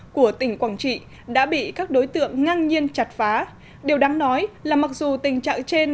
của tỉnh quảng trị đã bị các đối tượng ngang nhiên chặt phá điều đáng nói là mặc dù tình trạng trên